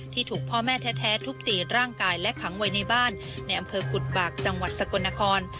ถูกพ่อแม่แท้ทุบตีร่างกายและขังไว้ในบ้านในอำเภอกุฎบากจังหวัดสกลนคร